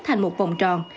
thành một vòng tròn